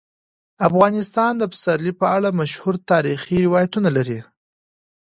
افغانستان د پسرلی په اړه مشهور تاریخی روایتونه لري.